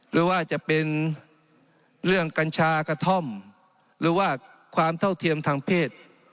หรือว่าจะเป็นเรื่องกัญชากระท่อมหรือว่าความเท่าเทียมทางเพศ